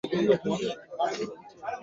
একজন প্রশ্ন করে।